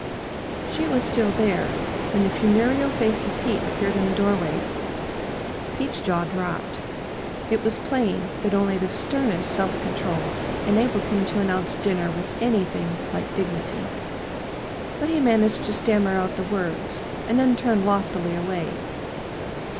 She was still there when the funereal face of Pete appeared in the doorway. Pete's jaw dropped. It was plain that only the sternest self control enabled him to announce dinner, with anything like dignity. But he managed to stammer out the words, and then turn loftily away.